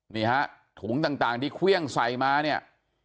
นี่ฮะถุงต่างที่เครื่องใส่มาเนี่ย